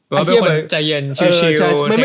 มันเป็นคนใจเย็นชิล